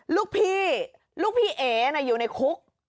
ลูกพี่ลูกพี่เอ๋อยู่ในคุก